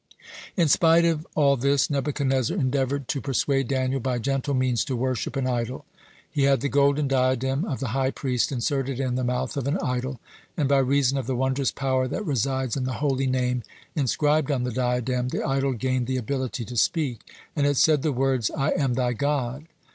(110) In spite of all this, Nebuchadnezzar endeavored to persuade Daniel by gentle means to worship an idol. He had the golden diadem of the high priest inserted in the mouth of an idol, and by reason of the wondrous power that resides in the Holy Name inscribed on the diadem, the idol gained the ability to speak, and it said the words: "I am thy God."